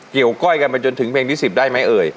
เกี่ยวยก้อยกันไปจนถึงมีงที่๑๐ได้ไหมเอ่ย